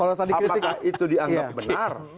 apakah itu dianggap benar